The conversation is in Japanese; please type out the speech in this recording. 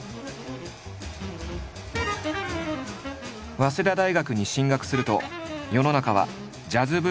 早稲田大学に進学すると世の中はジャズブームの真っ最中。